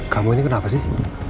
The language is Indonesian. kamu ini kenapa sih